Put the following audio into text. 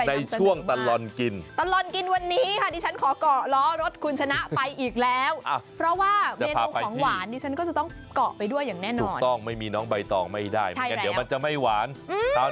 อันนี้ดิฉันภูมิใจมากมากมาก